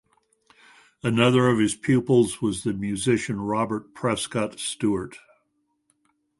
Another of his pupils was the musician Robert Prescott Stewart.